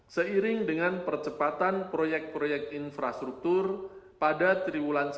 seiring dengan pertumbuhan ekonomi domestik pemerintah mencapai keuntungan yang lebih tinggi